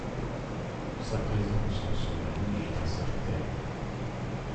Sa présence en Somalie est incertaine.